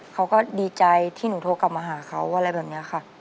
เขาก็ดีใจที่หนูโทรกลับมาหาเขาอะไรแบบนี้ค่ะ